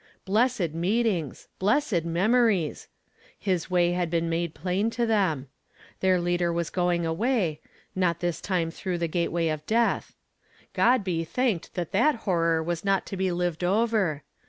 Blessed meetings ! Blessed memories ! His way had been made plain to them. Their leader was going away; not this time through the gateway of death. God be thanked that that horror was not to be lived over